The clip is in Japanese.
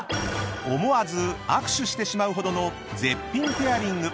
［思わず握手してしまうほどの絶品ペアリング］